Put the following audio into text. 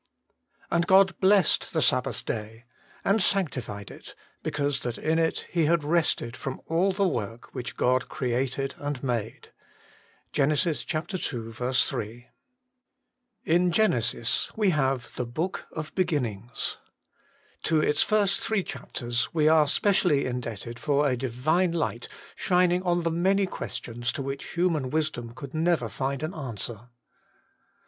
And God blessed the Sabbath day, and sanctified it, because that in it He had rested from all the work which God created and made.' GEN. ii. 3. IN Genesis we have the Book of Beginnings. To its first three chapters we are specially in debted for a Divine light shining on the many questions to which human wisdom never could find an answer.